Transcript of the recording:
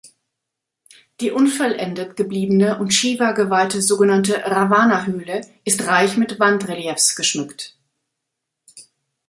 Die unvollendet gebliebene und Shiva geweihte sogenannte "Ravana-Höhle" ist reich mit Wandreliefs geschmückt.